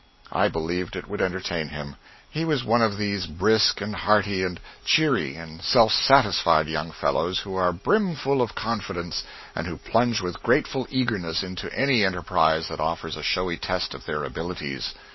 I believed it would entertain him. He was one of these brisk and hearty and cheery and self satisfied young fellows who are brimful of confidence, and who plunge with grateful eagerness into any enterprise that offers a showy test of their abilities.